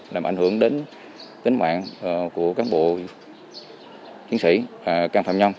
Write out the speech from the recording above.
làm ảnh hưởng đến tính mạng của cán bộ chiến sĩ can phạm nhân